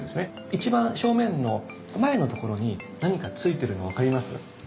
一番正面の前のところに何かついてるの分かります？